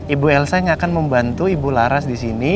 ibu elsa yang akan membantu ibu laras di sini